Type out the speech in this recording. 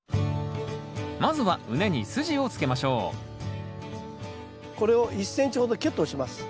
まずは畝にすじをつけましょうこれを１ｃｍほどきゅっと押します。